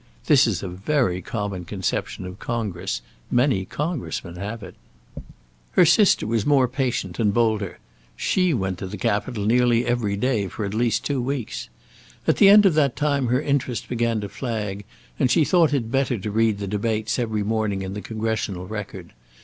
This is a very common conception of Congress; many Congressmen share it. Her sister was more patient and bolder. She went to the Capitol nearly every day for at least two weeks. At the end of that time her interest began to flag, and she thought it better to read the debates every morning in the Congressional Record.